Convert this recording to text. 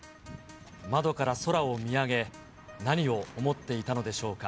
窓から空を見上げ、何を思っていたのでしょうか。